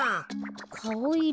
かおいろ